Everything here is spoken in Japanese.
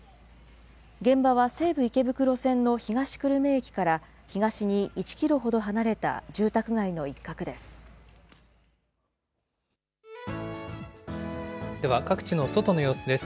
現場は西武池袋線の東久留米駅から東に１キロほど離れた住宅街のでは各地の外の様子です。